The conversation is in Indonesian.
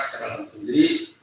secara langsung jadi